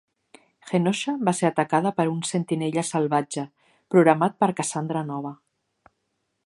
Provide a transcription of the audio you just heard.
Genosha va ser atacada per un "sentinella salvatge" programat per Cassandra Nova.